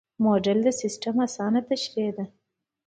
موډل د سیسټم اسانه تشریح ده.